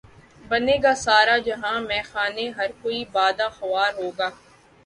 بنے گا سارا جہان مے خانہ ہر کوئی بادہ خوار ہوگا